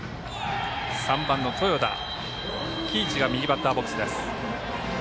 ３番の豊田喜一が右バッターボックスです。